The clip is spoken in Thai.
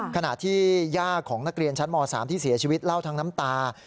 ขณะที่ย่าของนักเรียนชั้นม๓ที่เสียชีวิตเล่าทั้งน้ำตา